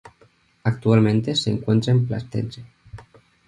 Actualmente se encuentra en Platense.